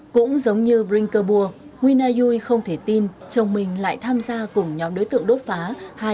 cũng giống như brinkerburg nguyên a duy không thể tin chồng mình lại tham gia cùng nhóm đối tượng đốt phá